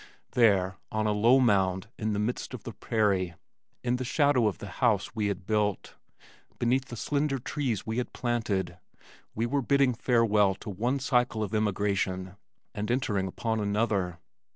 There, on a low mound in the midst of the prairie, in the shadow of the house we had built, beneath the slender trees we had planted, we were bidding farewell to one cycle of emigration and entering upon another.